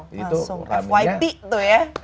wow langsung fyd tuh ya